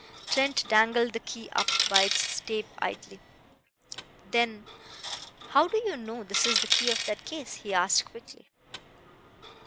Trent dangled the key by its tape idly. Then "How do you know this is the key of that case?" he asked quickly.